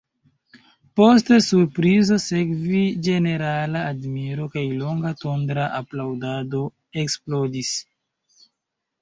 Post surprizo sekvis ĝenerala admiro, kaj longa tondra aplaŭdado eksplodis.